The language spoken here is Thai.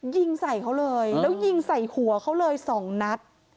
ยิงใส่เขาเลยแล้วยิงใส่หัวเขาเลยสองนัด